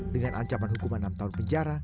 dengan ancaman hukuman enam tahun penjara